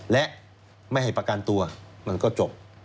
และไม่ให้ประกันตัวมันก็จบ